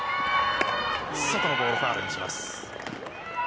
外のボール、ファウルにします。